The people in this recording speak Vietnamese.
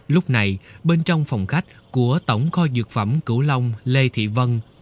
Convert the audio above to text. lúc này bên trong phòng khách của tổng kho dược phẩm cửu long lê thị vân